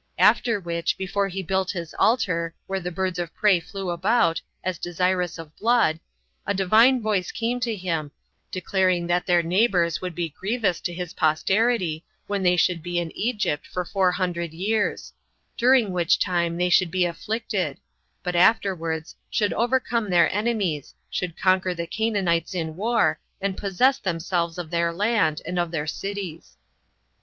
After which, before he built his altar, where the birds of prey flew about, as desirous of blood, a Divine voice came to him, declaring that their neighbors would be grievous to his posterity, when they should be in Egypt, for four hundred years; 20 during which time they should be afflicted, but afterwards should overcome their enemies, should conquer the Canaanites in war, and possess themselves of their land, and of their cities.